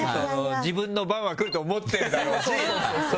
自分の番が来ると思っているだろうし。